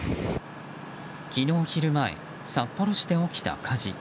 昨日昼前、札幌市で起きた火事。